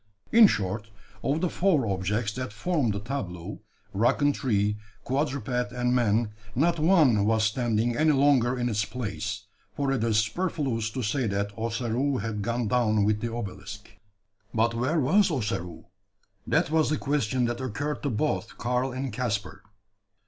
In short, of the four objects that formed the tableau rock and tree, quadruped and man not one was standing any longer in its place for it is superfluous to say that Ossaroo had gone down with the obelisk. But where was Ossaroo? That was the question that occurred to both Karl and Caspar.